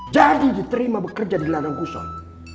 jadi diterima bekerja di ladang kusoy